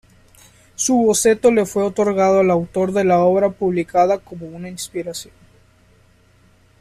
Su boceto le fue otorgado al autor de la obra publicada como una inspiración.